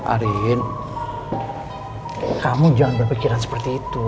arin kamu jangan berpikiran seperti itu